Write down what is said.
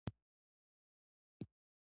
تعلیم د نجونو د فکر کولو وړتیا لوړوي.